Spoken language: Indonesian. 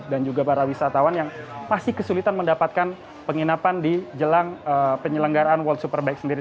dan juga para wisatawan yang masih kesulitan mendapatkan penginapan di jelang penyelenggaraan world superbike sendiri